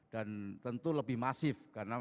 dan tentu lebih masif karena